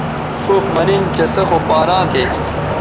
اوخ مہ نِن چہ سے خو پاراں تھے